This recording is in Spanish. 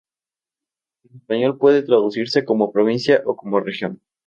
En español puede traducirse como provincia o como región.